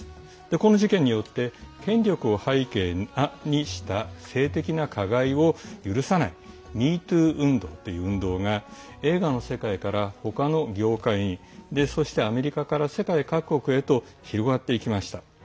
この事件によって、権力を背景にした性的な加害を許さない「＃ＭｅＴｏｏ」運動という運動が映画の世界から他の業界へ、そしてアメリカから世界各国へと広がっていきました。